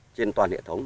trên toàn hệ thống